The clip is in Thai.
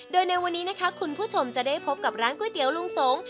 โดยในวันนี้นะคะคุณผู้ชมจะได้พบกับร้านก๋วยเตี๋ยวลุงสงฆ์